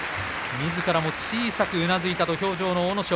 みずからも小さくうなずいた土俵上の阿武咲。